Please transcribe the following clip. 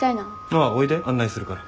ああおいで案内するから。